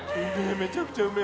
めちゃくちゃうめえ！